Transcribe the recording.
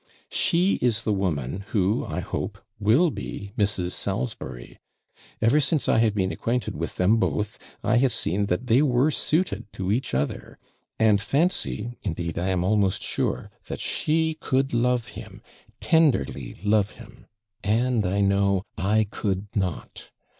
'She is the woman who, I hope, will be Mrs. Salisbury. Ever since I have been acquainted with them both, I have seen that they were suited to each other; and fancy, indeed I am almost sure, that she could love him, tenderly love him and, I know, I could not.